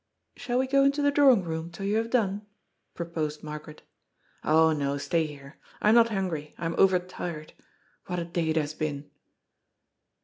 "Shall we go into the drawing room till you have done ?" proposed Margaret. " Oh no, stay here. I am not hungry. I am over tired. What a day it has been